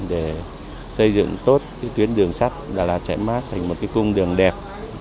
để xây dựng tốt tuyến đường sắt đà lạt chạy mát thành một cái cung đường đẹp